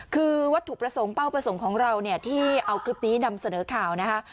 คือวัตถุประสงค์เป้าประสงค์ของเราเนี่ยที่เอาคลิปนี้นำเสนอข่าวนะคะ